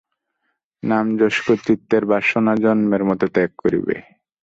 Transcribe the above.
নামযশ কর্তৃত্বের বাসনা জন্মের মত ত্যাগ করিবে।